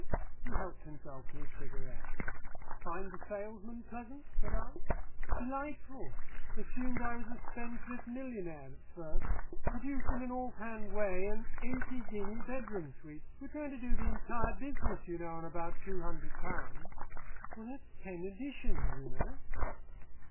He helped himself to a cigarette. "Find the salesman pleasant?" said I. "Delightful. Assumed I was a spendthrift millionaire at first. Produced in an off hand way an eighty guinea bedroom suite we're trying to do the entire business, you know, on about two hundred pounds. Well that's ten editions, you know.